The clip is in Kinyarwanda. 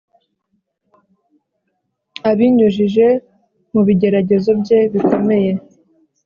abinyujije mu bigeragezo bye bikomeye,